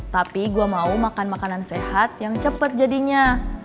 tapi gue mau makan makanan sehat yang cepat jadinya